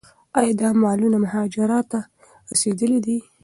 ایا دا مالونه مهاراجا ته رسیدلي دي؟